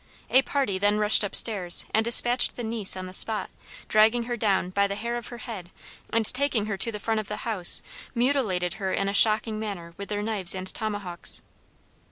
A party then rushed up stairs and dispatched the niece on the spot, dragged her down by the hair of her head and taking her to the front of the house, mutilated her in a shocking manner with their knives and tomahawks.